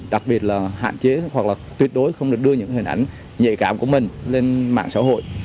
đặc biệt là hạn chế hoặc là tuyệt đối không được đưa những hình ảnh nhạy cảm của mình lên mạng xã hội